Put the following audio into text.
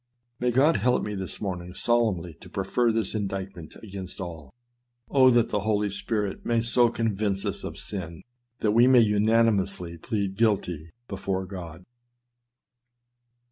May God help me, this morning, solemnly to prefer this indictment against all ! Oh ! that the Holy Spirit may so convince us of sin, that we may unanimously plead " guilty " before God.